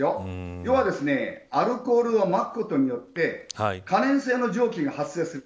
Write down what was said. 要はアルコールをまくことによって可燃性の蒸気が発生する。